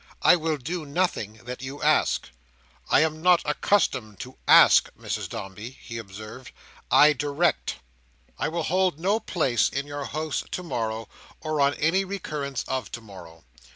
I will do nothing that you ask." "I am not accustomed to ask, Mrs Dombey," he observed; "I direct." "I will hold no place in your house to morrow, or on any recurrence of to morrow.